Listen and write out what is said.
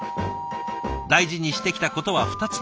大事にしてきたことは２つ。